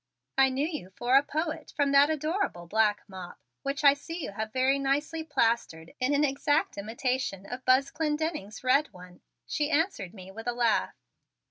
"I knew you for a poet from that adorable black mop which I see you have very nicely plastered in an exact imitation of Buzz Clendenning's red one," she answered me with a laugh.